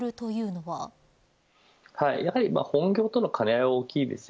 やはり本業との兼ね合いが大きいです。